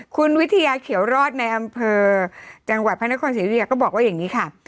คุณวิทยาเขียวรอดในอำเภอจังหวัดพระนครศรีอุทยาก็บอกว่าอย่างนี้ค่ะ